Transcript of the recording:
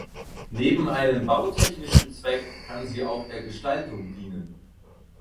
Neben einem bautechnischen Zweck kann sie auch der Gestaltung dienen.